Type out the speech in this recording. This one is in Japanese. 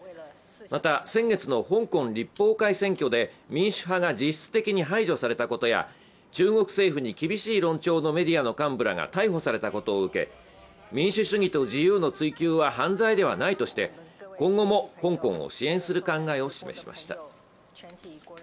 また、先月の香港立法会選挙で民主派が実質的に排除されたことや、中国政府に厳しい論調のメディアの幹部らが逮捕されたことを受け民主主義と自由の追求は犯罪ではないとして今後も香港を支援する考えを示しました。